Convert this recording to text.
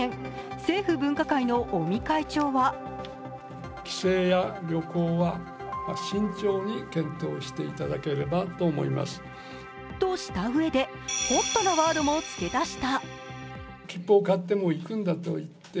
政府分科会の尾身会長はとしたうえで、ＨＯＴなワードも付け足した。